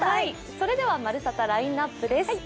それでは「まるサタ」ラインナップです。